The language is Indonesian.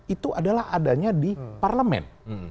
itu adalah adanya di parlemen